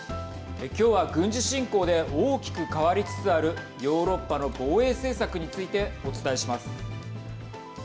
今日は軍事侵攻で大きく変わりつつあるヨーロッパの防衛政策についてお伝えします。